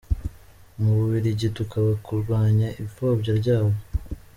Mu Bubiligi tukaba kurwanya ipfobya ryayo.